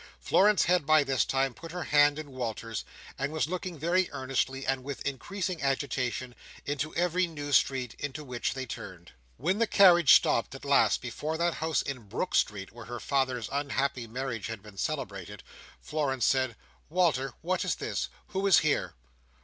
Florence had, by this time, put her hand in Walter's; and was looking very earnestly, and with increasing agitation, into every new street into which they turned. When the carriage stopped, at last, before that house in Brook Street, where her father's unhappy marriage had been celebrated, Florence said, "Walter, what is this? Who is here?"